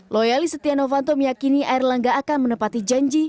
loyali stenovanto meyakini erlangga akan menepati janji